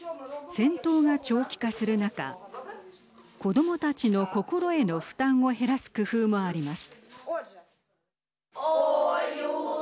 戦闘が長期化する中子どもたちの心への負担を減らす工夫もあります。